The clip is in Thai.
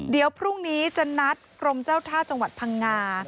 เดี๋ยวพรุ่งนี้จะนัดกรมเจ้าท่าจังหวัดพังงา